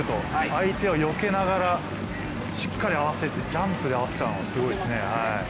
相手をよけながら、しっかり合わせてジャンプで合わせたのはすごいですね。